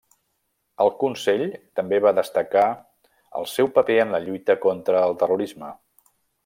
El Consell també va destacar el seu paper en la lluita contra el terrorisme.